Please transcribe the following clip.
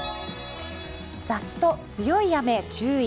ざっと強い雨、注意。